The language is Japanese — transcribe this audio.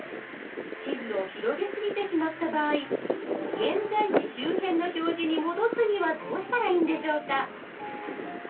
地図を広げすぎてしまった場合現在地周辺の表示に戻すにはどうしたらいいんでしょうか？